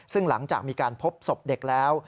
ซึ่งหลังจากมีการพบศพเด็กแล้ว